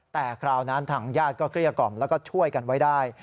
แต่คราวนั้นทางญาติก็เกลี้ยกล่อมแล้วก็ช่วยกันไว้ได้